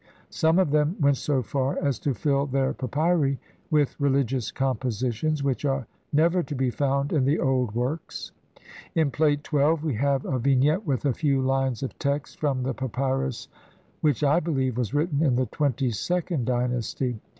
Some of them went so far as fill their papyri with religious compositions which are never to be found in the old works. In Plate XII we have a Vignette with a few lines of text from the papyrus Brit. Mus. No. 10,478, which I believe was written in the twenty second dynasty.